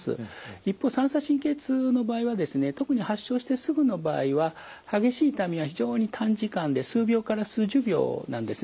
一方三叉神経痛の場合はですね特に発症してすぐの場合は激しい痛みが非常に短時間で数秒から数十秒なんですね。